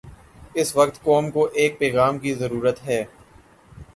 اس وقت قوم کو ایک پیغام کی ضرورت ہے۔